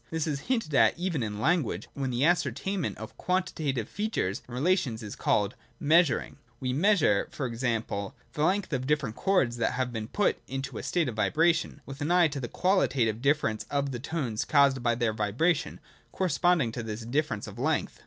This is hinted at even in language, when the ascertainment of quantitative features and relations is called measuring. We measure, n.g. the length of different chords that have been put into a state of vibration, with an eye to the qualitative difference of the tones caused by their vibration, correspond ing to this difference of length.